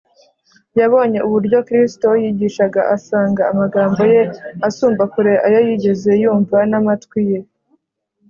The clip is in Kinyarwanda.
yabonye uburyo kristo yigishaga, asanga amagambo ye asumba kure ayo yigeze yumva n’amatwi ye